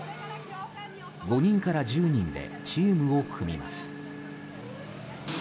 ５人から１０人でチームを組みます。